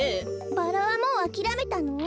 バラはもうあきらめたの？